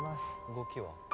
動きは？